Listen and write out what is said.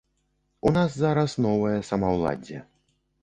У нас зараз новае самаўладдзе.